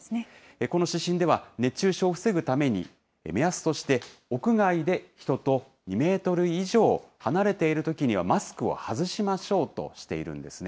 この指針では、熱中症を防ぐために、目安として、屋外で人と２メートル以上離れているときにはマスクを外しましょうとしているんですね。